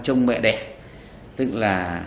trông mẹ đẻ tức là